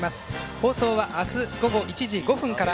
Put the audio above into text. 放送は明日午後１時５分から。